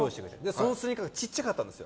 そのスニーカーが小さかったんですよ。